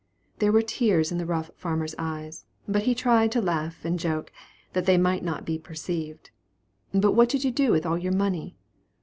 There were tears in the rough farmer's eyes, but he tried to laugh and joke, that they might not be perceived. "But what did you do with all your money?"